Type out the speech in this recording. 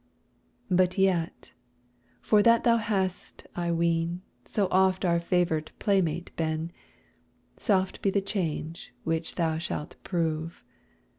But yet, for that thou hast, I ween, So oft our favored playmate been, Soft be the change which thou shalt prove!